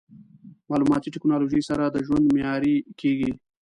مالوماتي ټکنالوژي سره د ژوند معیاري کېږي.